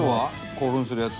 興奮するやつ。